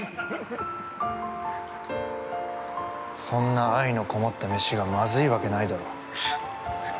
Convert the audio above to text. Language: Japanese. そんな愛のこもった飯がまずいわけないだろう。